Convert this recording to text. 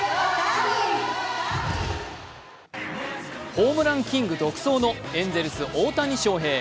ホームランキング独走のエンゼルス・大谷翔平。